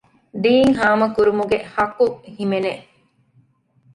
ދީން ހާމަކުރުމުގެ ޙައްޤު ހިމެނޭ